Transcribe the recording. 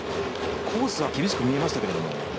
コースは厳しく見えましたけど。